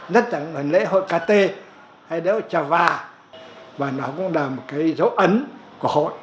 nhất là lễ hội kt hay lễ hội chà và và nó cũng là một cái dấu ấn của hội